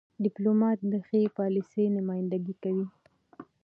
. ډيپلومات د ښې پالیسۍ نمایندګي کوي.